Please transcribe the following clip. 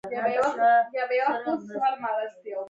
• شیدې د شحمو سوځولو لپاره هم ګټورې دي.